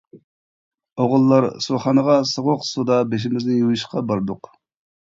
ئوغۇللار سۇخانىغا سوغۇق سۇدا بېشىمىزنى يۇيۇشقا باردۇق.